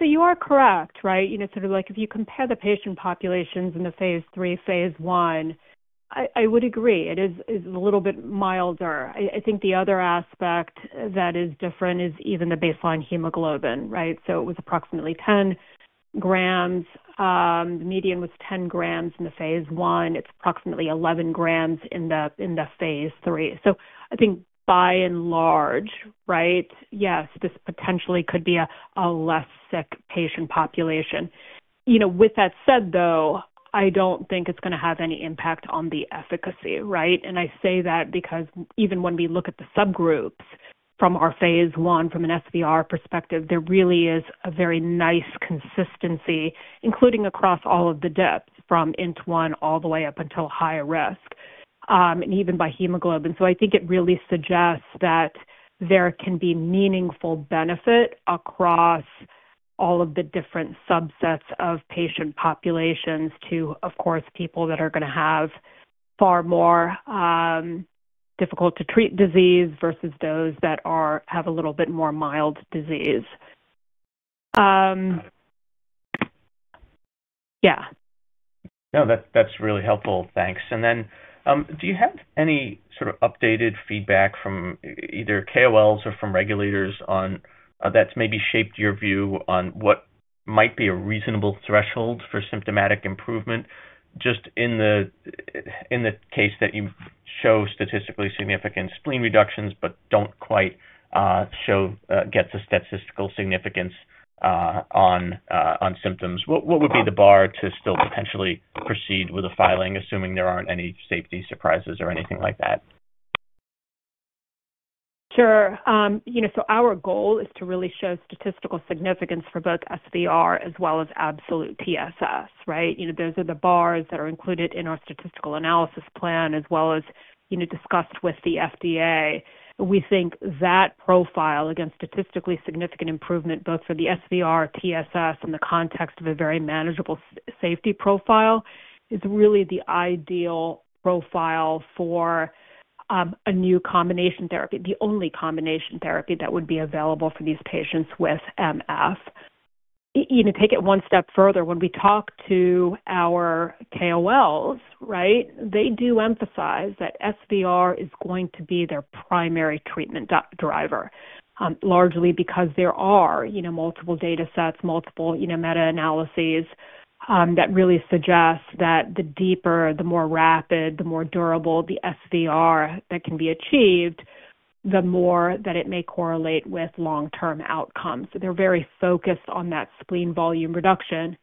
You are correct, right? You know, sort of like if you compare the patient populations in the phase three, phase one, I would agree it is, it's a little bit milder. I think the other aspect that is different is even the baseline hemoglobin, right? So it was approximately 10 grams, median was 10 grams in the phase one. It's approximately 11 grams in the phase three. I think by and large, right, yes, this potentially could be a less sick patient population. You know, with that said, though, I don't think it's gonna have any impact on the efficacy, right? I say that because even when we look at the subgroups from our phase one, from an SVR perspective, there really is a very nice consistency, including across all of the depths, from INT-1, all the way up until high risk, and even by hemoglobin so I think it really suggests that there can be meaningful benefit across all of the different subsets of patient populations to, of course, people that are gonna have far more, difficult to treat disease versus those that are, have a little bit more mild disease. Yeah. No, that, that's really helpful. Thanks. Then, do you have any sort of updated feedback from either KOLs or from regulators on, that's maybe shaped your view on what might be a reasonable threshold for symptomatic improvement? Just in the, in the case that you show statistically significant spleen reductions, but don't quite show, get the statistical significance, on, on symptoms what, what would be the bar to still potentially proceed with a filing, assuming there aren't any safety surprises or anything like that? Sure. You know, our goal is to really show statistical significance for both SVR as well as absolute TSS, right? You know, those are the bars that are included in our statistical analysis plan, as well as, you know, discussed with the FDA. We think that profile against statistically significant improvement, both for the SVR, TSS, in the context of a very manageable safety profile, is really the ideal profile for a new combination therapy, the only combination therapy that would be available for these patients with MF. Even take it one step further, when we talk to our KOLs, right, they do emphasize that SVR is going to be their primary treatment driver, largely because there are, you know, multiple datasets, multiple, you know, meta-analyses, that really suggest that the deeper, the more rapid, the more durable the SVR that can be achieved... The more that it may correlate with long-term outcomes. They're very focused on that spleen volume reduction,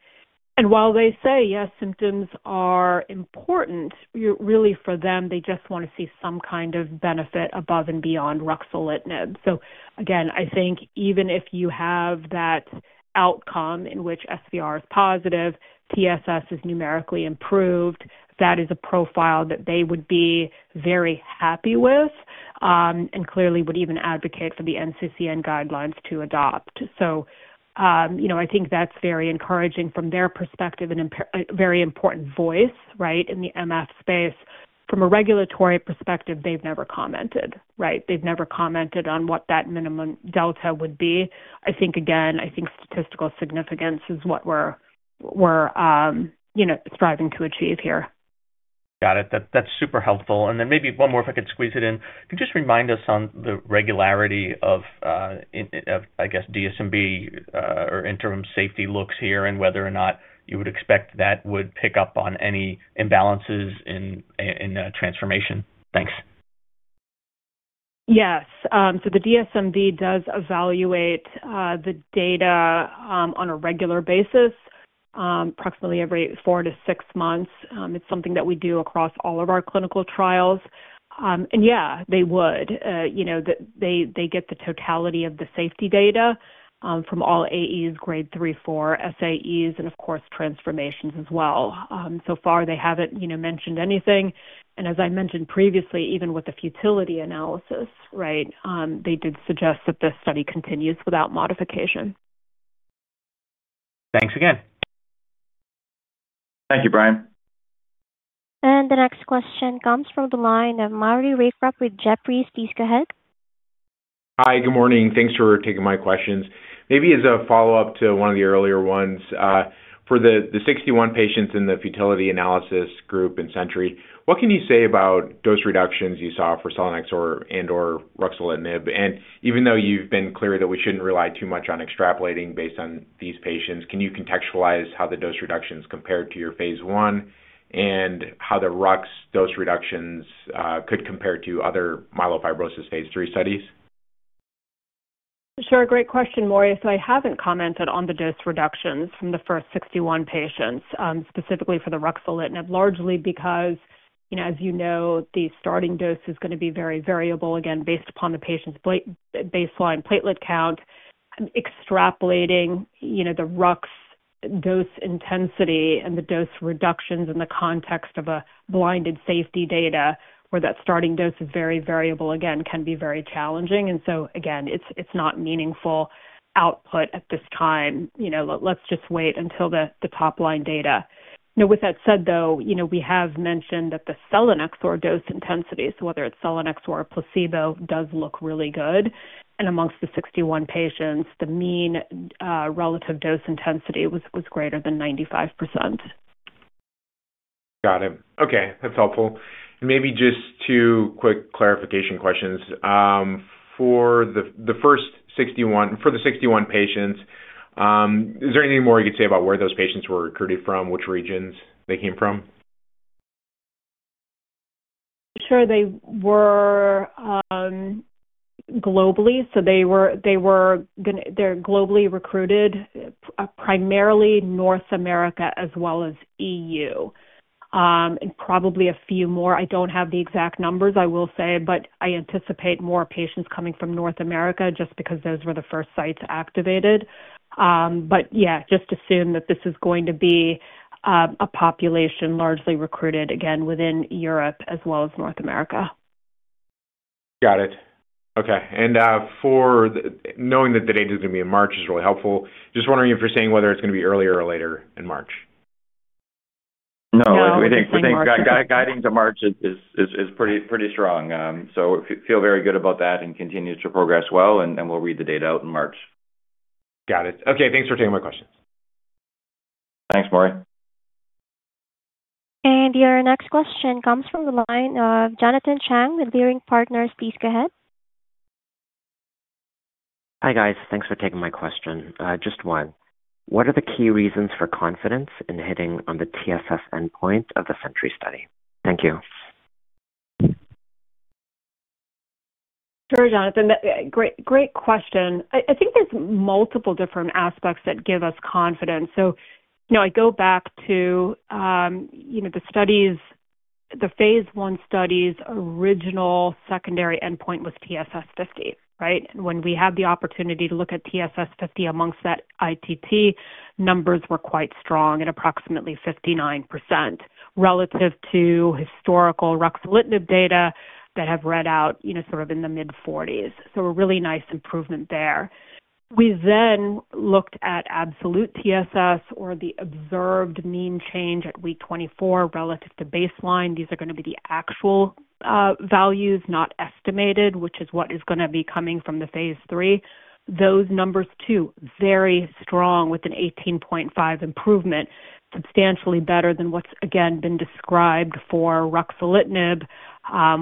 and while they say, yes, symptoms are important, you really for them, they just want to see some kind of benefit above and beyond ruxolitinib. Again, I think even if you have that outcome in which SVR is positive, TSS is numerically improved, that is a profile that they would be very happy with, and clearly would even advocate for the NCCN guidelines to adopt. You know, I think that's very encouraging from their perspective and a very important voice, right, in the MF space. From a regulatory perspective, they've never commented, right? They've never commented on what that minimum delta would be. I think, again, I think statistical significance is what we're, you know, striving to achieve here. Got it. That, that's super helpful. And then maybe one more, if I could squeeze it in. Could you just remind us on the regularity of, I guess, DSMB or interim safety looks here and whether or not you would expect that would pick up on any imbalances in the transformation? Thanks. Yes. The DSMB does evaluate the data on a regular basis, approximately every four to six months. It's something that we do across all of our clinical trials. And yeah, they would you know, they, they get the totality of the safety data from all AEs Grade three, four, SAEs, and of course, transformations as well. So far, they haven't, you know, mentioned anything, and as I mentioned previously, even with the futility analysis, right, they did suggest that this study continues without modification. Thanks again. Thank you, Brian. The next question comes from the line of Maury Raycroft with Jefferies. Please go ahead. Hi, good morning. Thanks for taking my questions. Maybe as a follow-up to one of the earlier ones, for the, the 61 patients in the futility analysis group in SENTRY, what can you say about dose reductions you saw for selinexor or, and/or ruxolitinib? And even though you've been clear that we shouldn't rely too much on extrapolating based on these patients, can you contextualize how the dose reductions compare to your phase one, and how the Rux dose reductions could compare to other myelofibrosis phase three studies? Sure. Great question, Maury so I haven't commented on the dose reductions from the first 61 patients, specifically for the ruxolitinib, largely because, you know, as you know, the starting dose is gonna be very variable, again, based upon the patient's baseline platelet count, extrapolating, you know, the Rux dose intensity and the dose reductions in the context of a blinded safety data where that starting dose is very variable, again, can be very challenging. Again, it's not meaningful output at this time. You know, let's just wait until the top-line data. Now, with that said, though, you know, we have mentioned that the selinexor dose intensity, so whether it's selinexor or placebo, does look really good. And amongst the 61 patients, the mean relative dose intensity was greater than 95%. Got it. Okay, that's helpful. Maybe just two quick clarification questions. For the first 61 patients, is there anything more you can say about where those patients were recruited from, which regions they came from? Sure. They were globally. They were gonna—they're globally recruited, primarily North America as well as EU, and probably a few more i don't have the exact numbers, I will say, but I anticipate more patients coming from North America just because those were the first sites activated. But yeah, just assume that this is going to be a population largely recruited again within Europe as well as North America. Got it. Okay. Knowing that the date is going to be in March is really helpful. Just wondering if you're saying whether it's going to be earlier or later in March? No, I think guiding to March is pretty strong. So feel very good about that and continues to progress well, and we'll read the data out in March. Got it. Okay, thanks for taking my questions. Thanks, Maury. Your next question comes from the line of Jonathan Chang with Leerink Partners. Please go ahead. Hi, guys. Thanks for taking my question. Just one. What are the key reasons for confidence in hitting on the TSS endpoint of the SENTRY study? Thank you. Sure, Jonathan. Great question. I think there's multiple different aspects that give us confidence. You know, I go back to, you know, the studies, the phase one study's original secondary endpoint was TSS 50, right? When we had the opportunity to look at TSS 50 amongst that ITT, numbers were quite strong at approximately 59%, relative to historical ruxolitinib data that have read out, you know, sort of in the mid-40 so a really nice improvement there. We then looked at absolute TSS or the observed mean change at week 24 relative to baseline these are gonna be the actual, values, not estimated, which is what is gonna be coming from the phase three. Those numbers, too, very strong, with an 18.5 improvement, substantially better than what's again been described for ruxolitinib,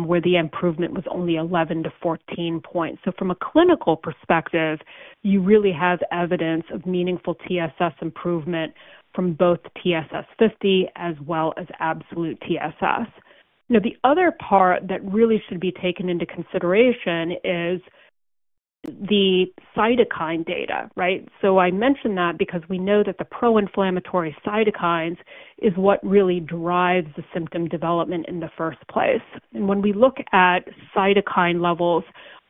where the improvement was only 11-14 points so from a clinical perspective, you really have evidence of meaningful TSS improvement from both TSS 50 as well as absolute TSS. Now, the other part that really should be taken into consideration is the cytokine data, right? So I mention that because we know that the pro-inflammatory cytokines is what really drives the symptom development in the first place. When we look at cytokine levels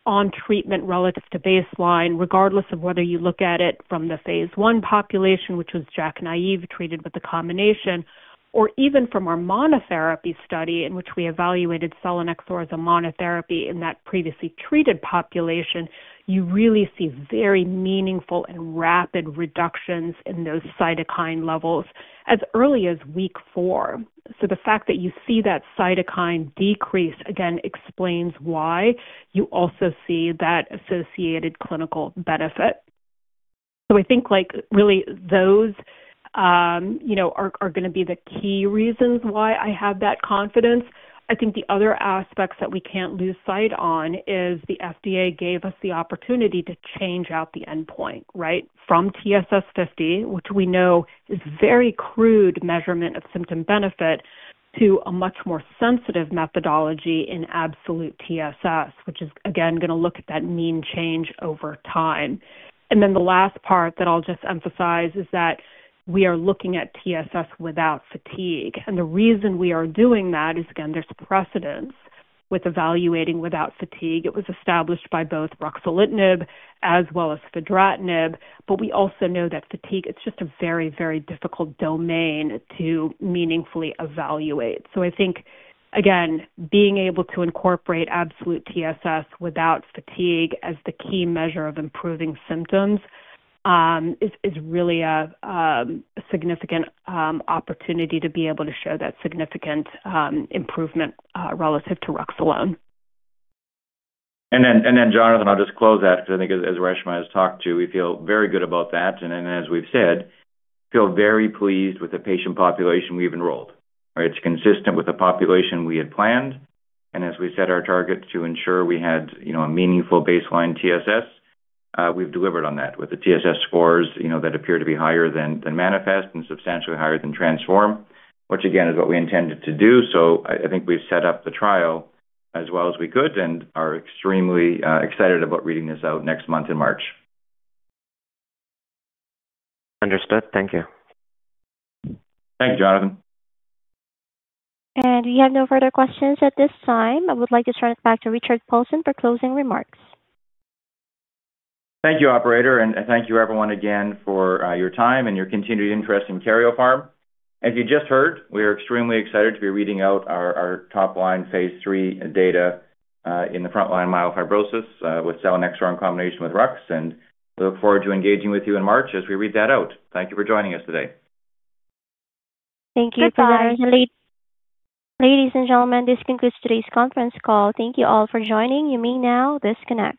on treatment relative to baseline, regardless of whether you look at it from the phase one population, which was JAK-naïve, treated with the combination, or even from our monotherapy study, in which we evaluated selinexor as a monotherapy in that previously treated population, you really see very meaningful and rapid reductions in those cytokine levels as early as week four. So the fact that you see that cytokine decrease again explains why you also see that associated clinical benefit. I think, like, really, those, you know, are, are gonna be the key reasons why I have that confidence. I think the other aspects that we can't lose sight on is the FDA gave us the opportunity to change out the endpoint, right? From TSS 50, which we know is very crude measurement of symptom benefit, to a much more sensitive methodology in absolute TSS, which is, again, gonna look at that mean change over time. Then the last part that I'll just emphasize is that we are looking at TSS without fatigue. And the reason we are doing that is, again, there's precedence with evaluating without fatigue it was established by both ruxolitinib as well as fedratinib, but we also know that fatigue, it's just a very, very difficult domain to meaningfully evaluate. I think, again, being able to incorporate absolute TSS without fatigue as the key measure of improving symptoms, is really a significant opportunity to be able to show that significant improvement relative to Rux alone. Then, Jonathan, I'll just close that because I think as Reshma has talked to, we feel very good about that. And then, as we've said, feel very pleased with the patient population we've enrolled, right? It's consistent with the population we had planned. As we set our targets to ensure we had, you know, a meaningful baseline TSS, we've delivered on that with the TSS scores, you know, that appear to be higher than Manifest and substantially higher than Transform, which again, is what we intended to do. So I think we've set up the trial as well as we could and are extremely excited about reading this out next month in March. Understood. Thank you. Thanks, Jonathan. We have no further questions at this time. I would like to turn it back to Richard Paulson for closing remarks. Thank you, operator, and thank you everyone again for your time and your continued interest in Karyopharm. As you just heard, we are extremely excited to be reading out our top line phase three data in the frontline myelofibrosis with selinexor in combination with Rux, and we look forward to engaging with you in March as we read that out. Thank you for joining us today. Thank you. Bye-bye. Ladies and gentlemen, this concludes today's conference call. Thank you all for joining. You may now disconnect.